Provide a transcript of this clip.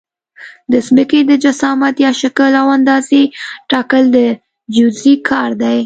د ځمکې د جسامت یا شکل او اندازې ټاکل د جیودیزي کار دی